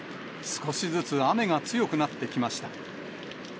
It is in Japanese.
少しずつ雨が強くなってきました。